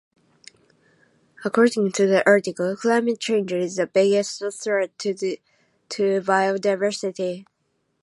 According to the article, climate change is the biggest threat to biodiversity.